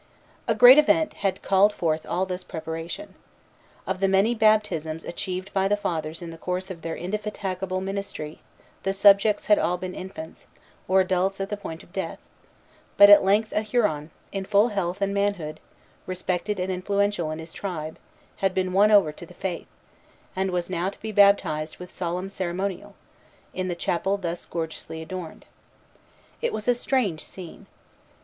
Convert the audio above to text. A great event had called forth all this preparation. Of the many baptisms achieved by the Fathers in the course of their indefatigable ministry, the subjects had all been infants, or adults at the point of death; but at length a Huron, in full health and manhood, respected and influential in his tribe, had been won over to the Faith, and was now to be baptized with solemn ceremonial, in the chapel thus gorgeously adorned. It was a strange scene.